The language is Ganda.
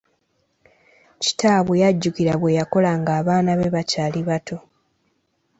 Kitaabwe yajjukira bye yakola nga abaana be bakyali bato.